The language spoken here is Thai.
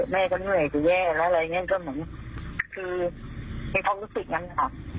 แม่ก็เหนื่อยจะแย่แล้วอะไรอย่างนี้ก็เหมือนคือในความรู้สึกนั้นนะคะ